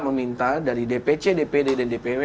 meminta dari dpc dpd dan dpw